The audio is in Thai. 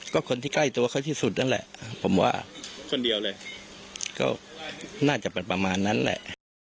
ก็น่าจะเป็นประมาณนั้นแหละ